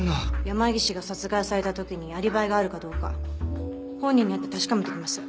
山岸が殺害された時にアリバイがあるかどうか本人に会って確かめてきます。